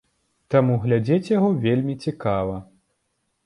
Таму глядзець яго вельмі цікава.